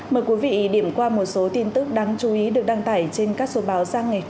mời quý vị điểm qua một số tin tức đáng chú ý được đăng tải trên các số báo